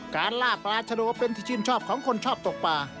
การลากปลาชโนเป็นที่ชื่นชอบของคนชอบตกป่า